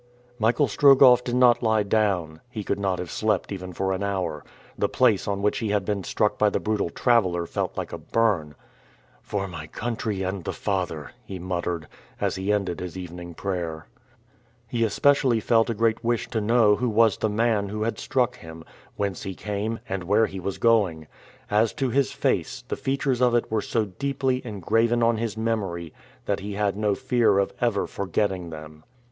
Michael Strogoff did not lie down. He could not have slept even for an hour. The place on which he had been struck by the brutal traveler felt like a burn. "For my country and the Father," he muttered as he ended his evening prayer. He especially felt a great wish to know who was the man who had struck him, whence he came, and where he was going. As to his face, the features of it were so deeply engraven on his memory that he had no fear of ever forgetting them.